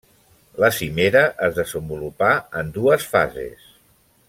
La cimera es desenvolupà en dues fases.